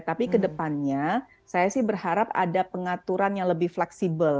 tapi kedepannya saya sih berharap ada pengaturan yang lebih fleksibel